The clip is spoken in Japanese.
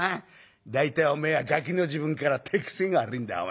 大体おめえはガキの時分から手癖が悪いんだおめえは。